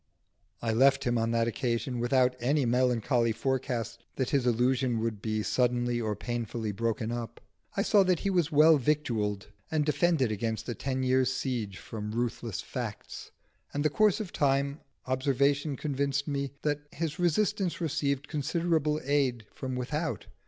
I left him on that occasion without any melancholy forecast that his illusion would be suddenly or painfully broken up. I saw that he was well victualled and defended against a ten years' siege from ruthless facts; and in the course of time observation convinced me that his resistance received considerable aid from without.